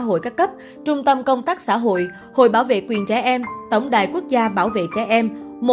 hội các cấp trung tâm công tác xã hội hội bảo vệ quyền trẻ em tổng đài quốc gia bảo vệ trẻ em